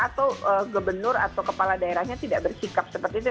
atau gubernur atau kepala daerahnya tidak bersikap seperti itu